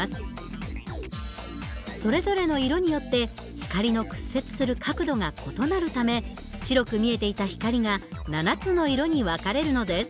それぞれの色によって光の屈折する角度が異なるため白く見えていた光が７つの色に分かれるのです。